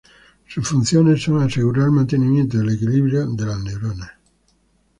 Sus funciones son asegurar el mantenimiento del equilibrio de las neuronas.